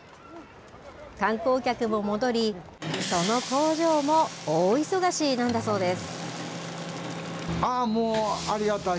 観光客も戻りその工場も大忙しなんだそうです。